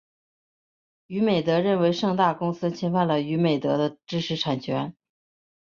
娱美德认为盛大公司侵犯了娱美德的知识产权。